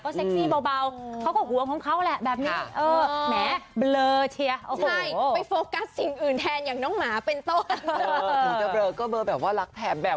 ก็เซคซี่เบาเขาขอก